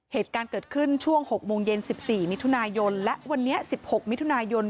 เหตุการณ์เกิดขึ้นช่วง๖โมงเย็น๑๔มิถุนายนและวันนี้๑๖มิถุนายน